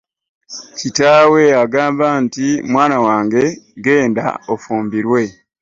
kitaawe agamba nti, “mwana wange genda ofumbirwe."